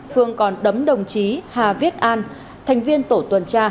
phương còn đấm đồng chí hà viết an thành viên tổ tuần tra